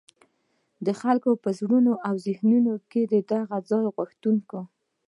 د خلګو په زړونو او ذهنونو کي د هغه ځان غوښتونکي